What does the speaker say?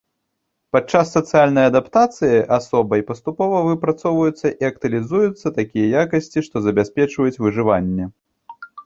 Падчас сацыяльнай адаптацыі асобай паступова выпрацоўваюцца і актуалізуюцца такія якасці, што забяспечваюць выжыванне.